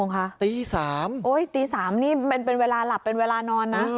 ตี๓ตี๓นี่เป็นเวลาหลับเป็นเวลานอนนะ